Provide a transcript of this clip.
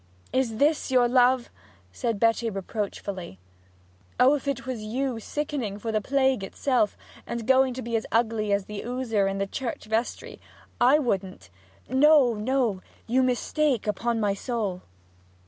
'Is this your love?' said Betty reproachfully. 'Oh, if you was sickening for the plague itself, and going to be as ugly as the Ooser in the church vestry, I wouldn't ' 'No, no, you mistake, upon my soul!'